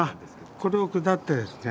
これを下ってですね